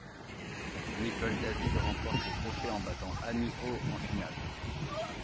Nicol David remporte le trophée en battant Annie Au en finale.